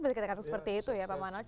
berarti kita kata seperti itu ya pak manoj